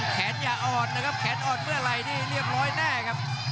อย่าอ่อนนะครับแขนอ่อนเมื่อไหร่นี่เรียบร้อยแน่ครับ